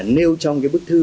nêu trong bức thư